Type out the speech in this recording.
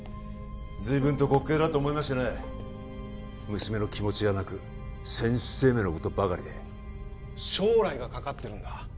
随分と滑稽だと思いましてね娘の気持ちじゃなく選手生命のことばかりで将来がかかってるんだ！